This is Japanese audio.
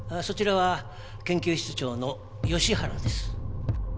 そちらは研究室長の吉原です。